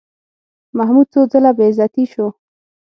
محمود څو ځله بېعزتي شو.